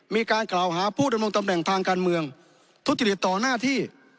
มีการกระวหาผู้ดลงตำแหน่งทางการเมืองทวดจิตต่อนาธิ